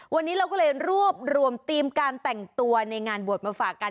วันนี้เราก็เลยรวบรวมทีมการแต่งตัวในงานบวชมาฝากกัน